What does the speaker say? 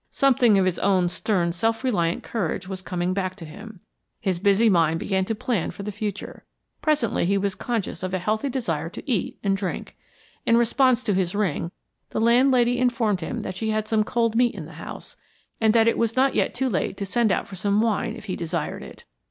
Something of his own stern self reliant courage was coming back to him; his busy mind began to plan for the future. Presently he was conscious of a healthy desire to eat and drink. In response to his ring, the landlady informed him that she had some cold meat in the house, and that it was not yet too late to send out for some wine if he desired it.